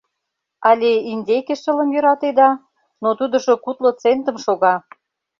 Але индейке шылым йӧратеда, но тудыжо кудло центым шога.